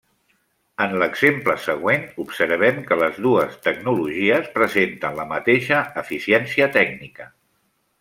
En l'exemple següent observem que les dues tecnologies presenten la mateixa eficiència tècnica.